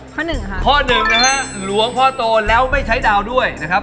หนึ่งค่ะข้อหนึ่งนะฮะหลวงพ่อโตแล้วไม่ใช้ดาวด้วยนะครับ